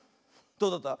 どうだった？